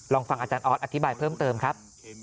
ลองฟังอาจารย์ออสอธิบายเพิ่มเติมครับ